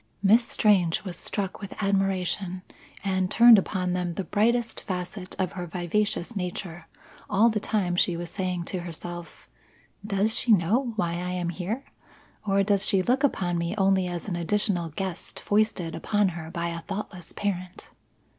Miss Strange was struck with admiration, and turned upon them the brightest facet of her vivacious nature all the time she was saying to herself: "Does she know why I am here? Or does she look upon me only as an additional guest foisted upon her by a thoughtless parent?"